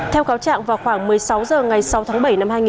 theo cáo trạng vào khoảng một mươi sáu h ngày sáu tháng bảy